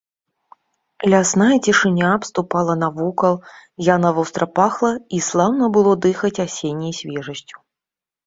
Лясная цішыня абступала навокал, яна востра пахла, і слаўна было дыхаць асенняй свежасцю.